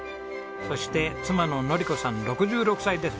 そして妻の典子さん６６歳です。